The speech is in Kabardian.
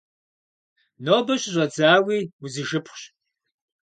Нобэ щыщӀэдзауи узишыпхъущ!